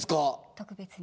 特別に。